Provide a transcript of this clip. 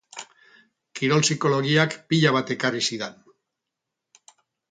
Kirol psikologiak pila bat ekarri zidan.